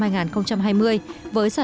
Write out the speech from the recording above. hoa cảng đạt một mươi triệu tấn